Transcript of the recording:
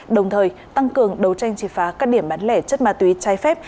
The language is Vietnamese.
đồng thời tăng cường đấu tranh triệt phá các điểm bán lẻ chất ma túy trái phép